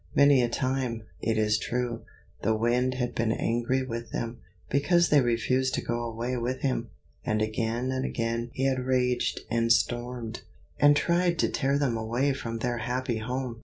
Many a time, it is true, the Wind had been angry with them, because they refused to go away with him, and again and again he had raged and stormed, and tried to tear them away from their happy home.